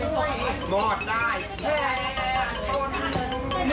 สวัสดีครับคุณผู้ชมครับ